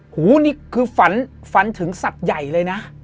หูนี่คือฝันฝันถึงสัตว์ใหญ่เลยนะ